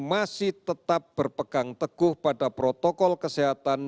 masih tetap berpegang teguh pada protokol kesehatan